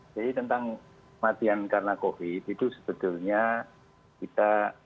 jadi tentang kematian karena covid sembilan belas itu sebetulnya kita